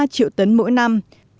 bốn mươi ba triệu tấn mỗi năm